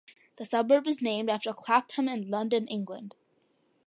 The suburb is named after Clapham in London, England.